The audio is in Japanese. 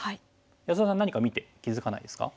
安田さん何か見て気付かないですか？